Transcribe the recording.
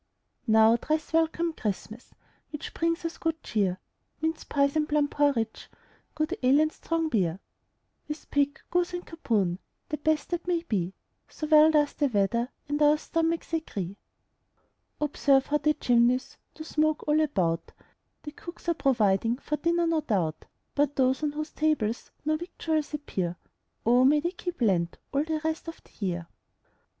Now thrice welcome, Christmas, Which brings us good cheer, Minced pies and plum porridge, Good ale and strong beer; With pig, goose, and capon, The best that may be, So well doth the weather And our stomachs agree. Observe how the chimneys Do smoke all about; The cooks are providing For dinner, no doubt; But those on whose tables No victuals appear, O may they keep Lent All the rest of the year.